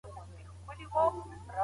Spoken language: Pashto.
ښه اخلاق زړونه يو کوي